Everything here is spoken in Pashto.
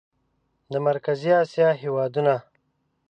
د مرکزي اسیا هېوادونه